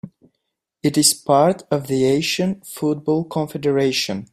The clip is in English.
It is part of the Asian Football Confederation.